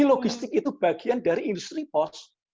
logistik itu bagian dari industri post